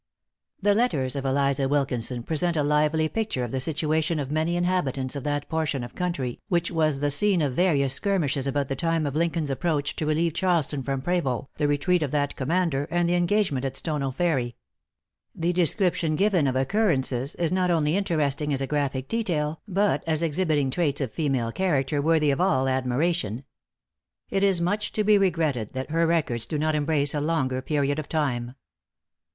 |The letters of Eliza Wilkinson present a lively picture of the situation of many inhabitants of that portion of country which was the scene of various skirmishes about the time of Lincoln's approach to relieve Charleston from Prevost, the retreat of that commander, and the engagement at Stono Ferry. The description given of occurrences, is not only interesting as a graphic detail, but as exhibiting traits of female character worthy of all admiration. It is much to be regretted that her records do not embrace a longer period of time.